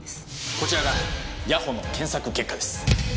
こちらが谷保の検索結果です。